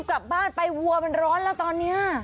อย่างเนี่ย